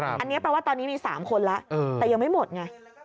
อันนี้แปลว่าตอนนี้มี๓คนแล้วแต่ยังไม่หมดไง